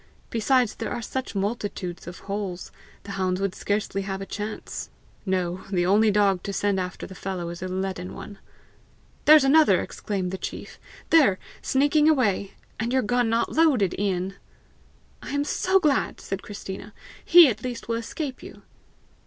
Besides, there are such multitudes of holes, the hounds would scarcely have a chance. No; the only dog to send after the fellow is a leaden one." "There's another!" exclaimed the chief; " there, sneaking away! and your gun not loaded, Ian!" "I am so glad!" said Christina. "He at least will escape you!"